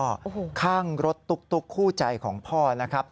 ก็ข้างรถตุ๊กคู่ใจของพ่อนะครับ